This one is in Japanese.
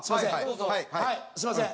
すいません。